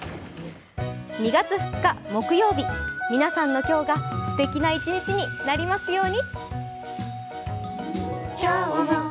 ２月２日木曜日、皆さんの今日がすてきな一日になりますように。